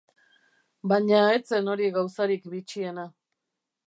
Baina ez zen hori gauzarik bitxiena.